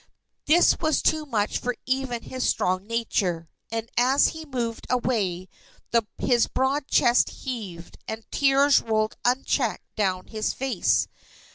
This was too much for even his strong nature, and as he moved away his broad chest heaved, and tears rolled unchecked down his face.